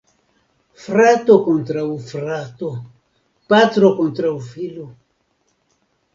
Frato kontraŭ frato, patro kontraŭ filo.